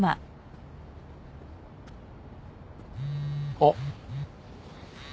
あっ。